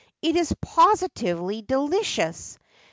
It is positively delicious.